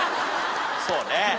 そうね。